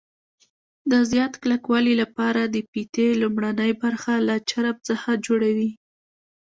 د زیات کلکوالي لپاره د فیتې لومړنۍ برخه له چرم څخه جوړوي.